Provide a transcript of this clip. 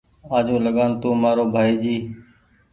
آجوٚنٚ لگآن تونٚ مآرو ڀآئي جي